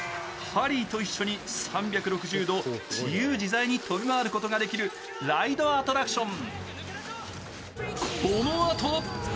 ハリーと一緒に３６０度自由自在に飛び回ることができるライドアトラクション。